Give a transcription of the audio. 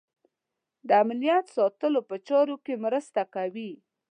د امنیت ساتلو په چارو کې مرسته کوي.